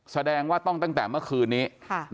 แสดงว่าต้องตั้งแต่เมื่อคืนนี้